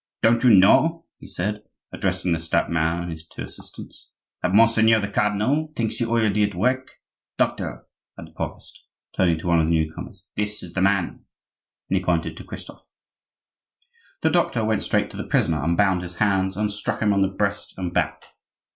"Don't you know," he said, addressing the stout man and his two assistants, "that Monseigneur the cardinal thinks you already at work? Doctor," added the provost, turning to one of the new comers, "this is the man"; and he pointed to Christophe. The doctor went straight to the prisoner, unbound his hands, and struck him on the breast and back.